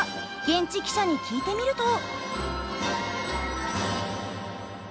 現地記者に聞いてみると。